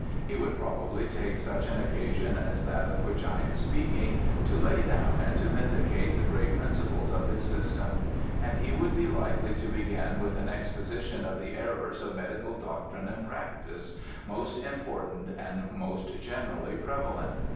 He would probably take such an occasion as that of which I am speaking, to lay down and to vindicate the great principles of his system ; and he would be likely to begin with an exposi tion of the errors of medical doctrine and practice, most important and most generally prevalent.